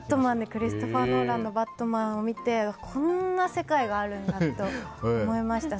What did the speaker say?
クリストファー・ノーラン監督の「バットマン」を見てこんな世界があるんだと思いました。